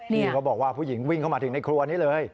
นี่เขาบอกว่าผู้หญิงวิ่งเข้ามาถึงในครัวนี้เลย